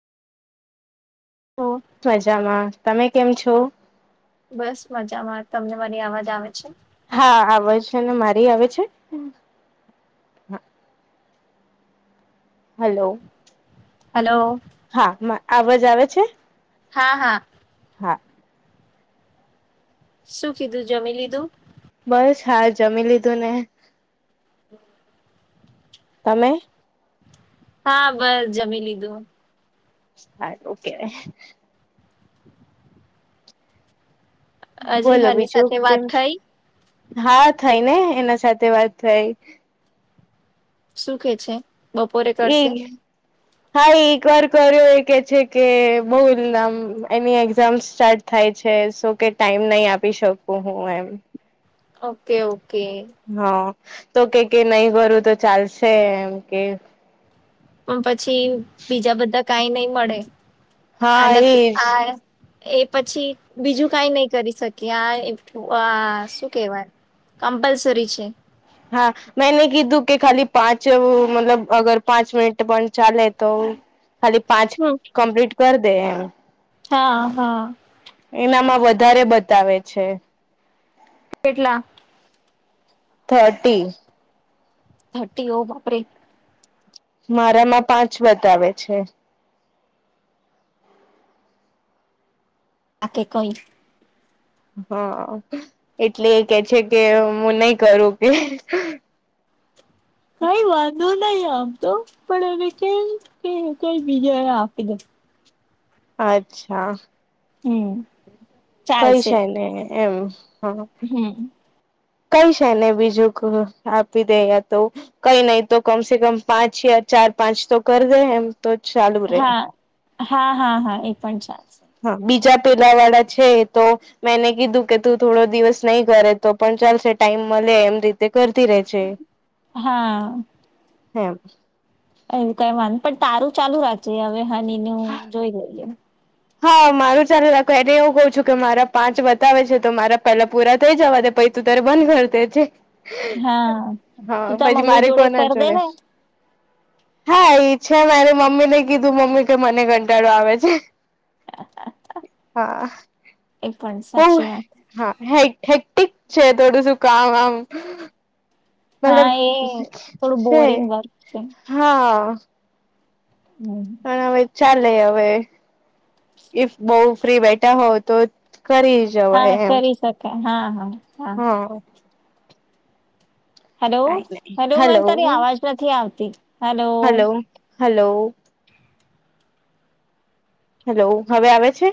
ઓ. મજામાં તમે કેમ છો. બસ મજામાં તમને મારી અવાજ આવે છે. હા આવજ છે ને મારી આવે છે. હલો. હલો હા અવાજ આવે છે. હા હા. હા. શું કીધું જમી લીધું બસ હા જમી લીધું ને [inaudible] તમે હા બસ જમી લીધું હા ઓકે હજી બોલો હની બીજું સાથે વાત કેમ થઈ હા થઈ ને એના સાથે વાત થઈ શુંકહે છે. બપોરે એ કરશે હા એક વાર કર્યો એ કે છે કે બહુલ નામ એની એક્ઝામ્ સ્ટાર્ટ થાય છે સો કે ટાઈમ નહી આપી શકું હું એમ ઓકે ઓકે હા તો કે કે નહીં કરરું તો ચાલશે એમ કે પણ પછી બીજા બધા કઈ નહી મળે હા આનાથી એજ આ એ પછી બીજું કઈ નહી કરી શકી આ આ શું કેવાય. કમ્પલસરી છે. હા મેંને કીધું કે ખાલી પાંચ મતલબ અગર પાંચ મિનિટ પણ ચાલે તો ખાલી પાંચ હમ કમ્પ્લીટ કર દે એમ હા હા એનામાં વધારે બતાવે છે. કેટલા થર્ટી થર્ટી ઓ બાપરે મારા માં પાંચ બતાવે છે. આકે કઈ હા એટલે કે છે કે હું નહી કરું કે. કઈ વાંધો નહી આમ તો પણ હવે કે કે કઈ બીજા આપી દે. અચ્છા હું કઈ શાય નને એમ હ હમ કઈ છે ને બીજું આપી દે તો કઈ નહીં તો કમસે કમ પાંચ યા ચાર પાંચ તો કર દે એમ તો ચાલુ રહે. હા હા હા હા એ પણ ચાલ છે. હા બીજા પેલા વાળા છે તો મેં એને કીધું કે તું થોડો દિવસ નહી કરે તો પણ ચાલશે ટાઈમ મળે એમ રી તે કરતી રહેે છે હા હેમ. એવું કઈ વાંધ પણ તારું ચાલુ રાખજે હવે હની નુ જોઈ લઈએ. હા મારું ચાલે રાખો એને એવું કઉ છું કે મારા પાંચ બતાવે છે તો મારા પેલા પૂરા થઈ જવા દ પૈસા તું ત્યારે બંધ કર દે છે હા તું હા તાર પછી મમ્મી મારે જોડે કોના કર દે જોડે ને હા ઈ છે ને મારે મમ્મી ને કીધું મમ્મી કે મને કંટાળો આવે છે. હા હા હા ઓ સાચી વાત હા હે હેક્ટિક છે થોડું શું કામ આમ. હા એ મતલબ થોડું છે બોરિંગ વર્ક છે હા હમ પણ હવે ચાલે હવે. ઈફ બઉુ ફ્રી બેઠા હોવ તો કરી. જવાય હા એમ કરી શકાય હા હા હા હલો કઈ નહી હલો મને તારી અવાજ નથી આવતી હલો હલો હેલો હવે આવે છે.